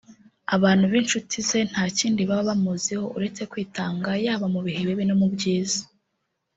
Abantu b’inshuti ze nta kindi baba bamuziho uretse kwitanga yaba mu bihe bibi no byiza